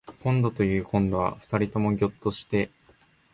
こんどというこんどは二人ともぎょっとして